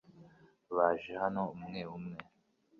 Baje hano umwe umwe.